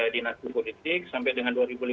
dinasi politik sampai dengan